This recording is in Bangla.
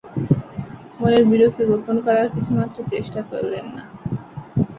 মনের বিরক্তি গোপন করার কিছুমাত্র চেষ্টা করলেন না।